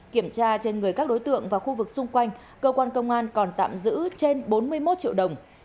kiểm tra trên người các đối tượng và khu vực xung quanh cơ quan công an còn tạm giữ trên bốn mươi một triệu đồng